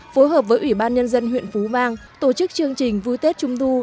phối hợp với ủy ban nhân dân huyện phú vang tổ chức chương trình vui tết trung thu